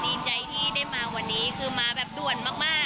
ดีใจที่ได้มาวันนี้คือมาแบบด่วนมาก